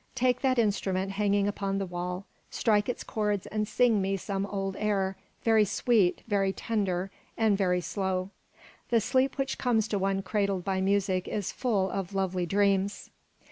Take that instrument hanging upon the wall, strike its cords and sing me some old air, very sweet, very tender, and very slow. The sleep which comes to one cradled by music is full of lovely dreams."